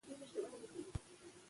فعال چلند زده کړه اسانه کوي.